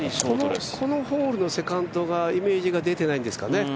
このホールのセカンドがイメージが出ていないんですかね。